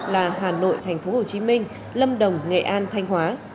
là hà nội tp hcm lâm đồng nghệ an thanh hóa